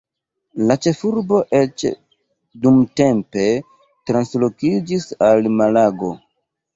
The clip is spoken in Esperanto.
La ĉefurbo eĉ dumtempe translokiĝis al Malago.